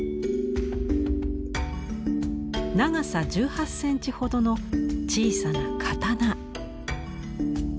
長さ１８センチほどの小さな刀。